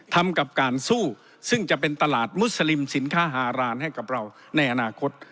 ทำกับการสู้ซึ่งจะเป็นตลาดมุสลิมสินค้าฮารานให้กับเราในอนาคต